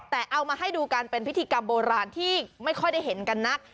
แต่เอามาให้ดูกันเป็นพิธีกรรมโบราณที่ไม่ค่อยได้เห็นกันนัก